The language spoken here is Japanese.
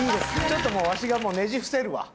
ちょっとわしがもうねじ伏せるわ。